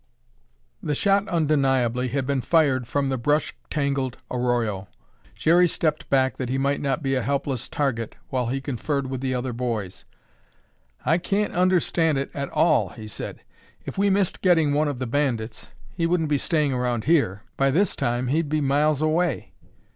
The shot undeniably had been fired from the brush tangled arroyo. Jerry stepped back that he might not be a helpless target while he conferred with the other boys. "I cain't understand it at all," he said. "If we missed getting one of the bandits, he wouldn't be staying around here. By this time, he'd be miles away."